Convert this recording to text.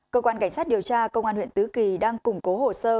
cơ quan cảnh sát điều tra công an huyện tứ kỳ đang củng cố hồ sơ